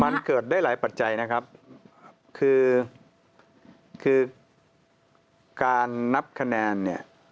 มันเกิดได้หลายปัจจัยคือการนับคะแนน